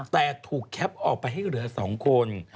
แต่ถูกแคปออกไปให้เหลือ๒คน